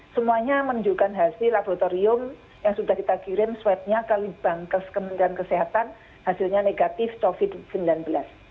semuanya menunjukkan hasil laboratorium yang sudah kita kirim swabnya ke litbangkes kementerian kesehatan hasilnya negatif covid sembilan belas